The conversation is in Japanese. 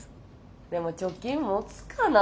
でも貯金もつかな。